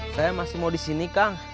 saya masih mau disini kang